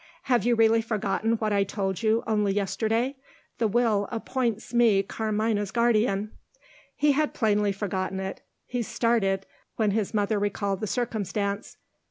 "Have you really forgotten what I told you, only yesterday? The Will appoints me Carmina's guardian." He had plainly forgotten it he started, when his mother recalled the circumstance.